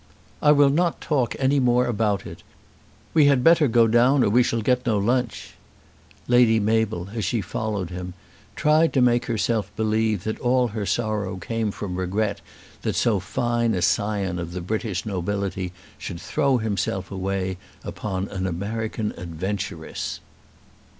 "I will not talk any more about it. We had better go down or we shall get no lunch." Lady Mabel, as she followed him, tried to make herself believe that all her sorrow came from regret that so fine a scion of the British nobility should throw himself away upon an American adventuress.